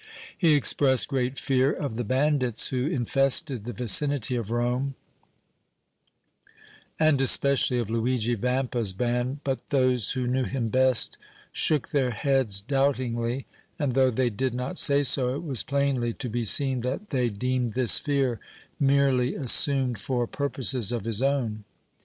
He expressed great fear of the bandits who infested the vicinity of Rome and especially of Luigi Vampa's band, but those who knew him best shook their heads doubtingly, and, though they did not say so, it was plainly to be seen that they deemed this fear merely assumed for purposes of his own.